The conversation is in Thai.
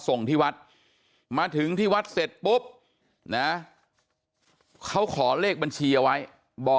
ส่งที่วัดมาถึงที่วัดเสร็จปุ๊บนะเขาขอเลขบัญชีเอาไว้บอก